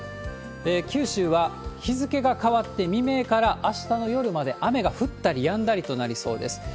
九州は日付が変わって、未明からあしたの夜まで雨が降ったりやんだりとなりそうです。